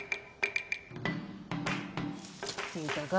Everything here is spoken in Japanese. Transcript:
聞いたか？